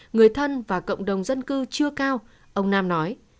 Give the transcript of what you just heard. người thân và cộng đồng dân cư chưa cao ông nam nói